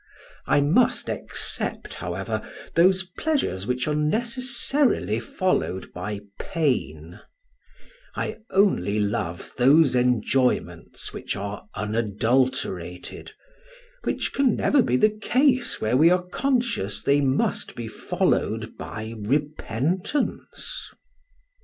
I must except, however, those pleasures which are necessarily followed by pain; I only love those enjoyments which are unadulterated, which can never be the case where we are conscious they must be followed by repentance.